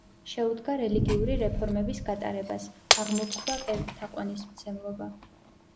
შეუდგა რელიგიური რეფორმების გატარებას, აღმოფხვრა კერპთაყვანისმცემლობა.